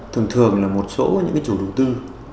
thường thường là một số những chủ đầu tư